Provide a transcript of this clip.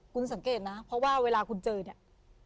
คุณสังเกตนะเพราะว่าเวลาคุณเจอเนี่ย